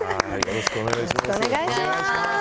よろしくお願いします。